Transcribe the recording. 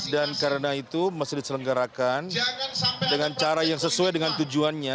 karena itu mesti diselenggarakan dengan cara yang sesuai dengan tujuannya